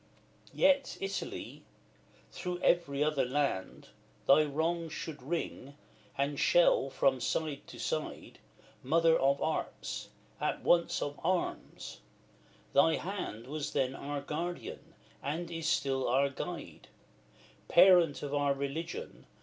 XLVII. Yet, Italy! through every other land Thy wrongs should ring, and shall, from side to side; Mother of Arts! as once of Arms; thy hand Was then our Guardian, and is still our guide; Parent of our religion!